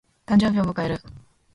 誕生日を迎える。